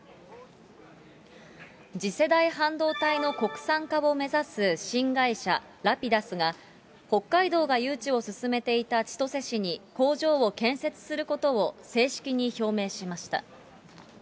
次世代半導体の国産化を目指す新会社、ラピダスが北海道が誘致を進めていた千歳市に工場を建設することを正式に表明しました。